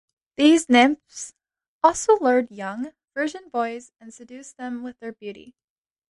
These nymphs also lured young, virgin boys and seduced them with their beauty.